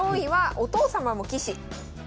お父様も棋士？